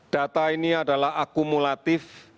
data ini adalah akumulatif